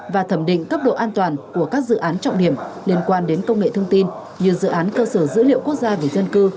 và thẩm định cấp độ an toàn của các dự án trọng điểm liên quan đến công nghệ thông tin như dự án cơ sở dữ liệu quốc gia về dân cư